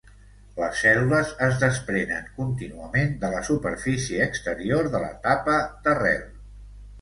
Les cèl·lules es desprenen contínuament de la superfície exterior de la tapa d'arrel.